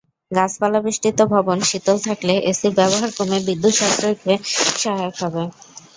গাছপালাবেষ্টিত ভবন শীতল থাকলে এসির ব্যবহার কমে বিদ্যুৎ সাশ্রয়ে সহায়ক হবে।